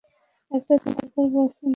একটা জাদুর বাক্স দিয়ে।